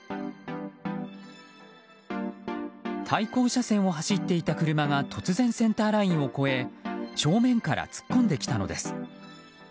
対向車線を走っていた車が突然センターラインを越え正面から突っ込んできたのです。